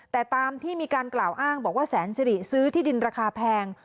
แต่ตามที่มีการกล่าวอ้างบอกว่าแสนสิริซื้อที่ดินราคาแพง